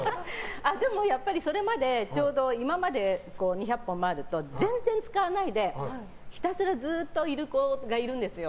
でも、それまで２００本もあると全然使わないでひたすらずっといる子がいるんですよ。